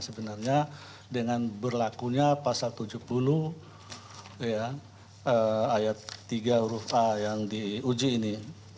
sebenarnya dengan berlakunya pasal tujuh puluh ayat tiga huruf a yang diuji ini